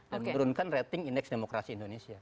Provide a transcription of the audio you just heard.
dan menurunkan rating indeks demokrasi indonesia